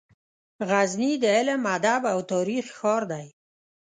غزني د علم، ادب او تاریخ ښار دی.